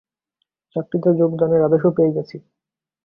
চাকরিতে যোগদানের আদেশও পেয়ে গেছি।